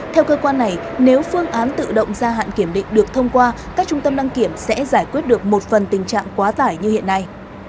theo cơ quan này nếu phương án tự động gia hạn kiểm định được thông qua các trung tâm đăng kiểm sẽ giải quyết được một phần tình trạng quá tải như hiện nay